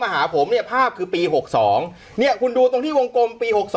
มาหาผมเนี้ยภาพคือปี๖๒ขูลดูตรงที่วงกลมปี๖๒